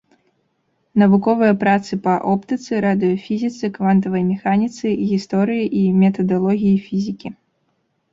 Навуковыя працы па оптыцы, радыёфізіцы, квантавай механіцы, гісторыі і метадалогіі фізікі.